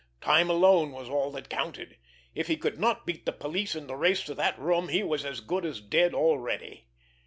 Time alone was all that counted! If he could not beat the police in the race to that room he was as good as dead already!